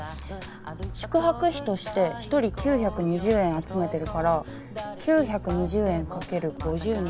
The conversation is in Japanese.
宿泊費として一人９２０円集めてるから９２０円かける５０人。